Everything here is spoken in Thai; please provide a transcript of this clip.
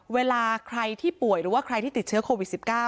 เวลาใครที่ป่วยหรือว่าใครที่ติดเชื้อโควิด๑๙